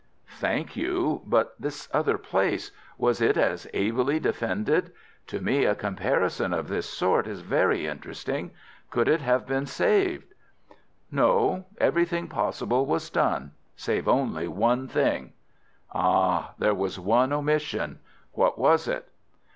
"Thank you. But this other place, was it as ably defended? To me a comparison of this sort is very interesting. Could it have been saved?" "No; everything possible was done—save only one thing." "Ah! there was one omission. What was it?"